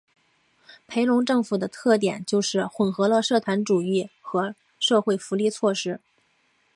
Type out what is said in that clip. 裴隆政府的特点就是混合了社团主义和社会福利措施。